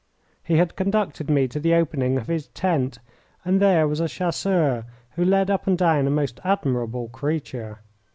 He had conducted me to the opening of his tent, and there was a chasseur who led up and down a most admirable creature.